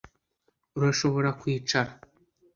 Urashobora kwicara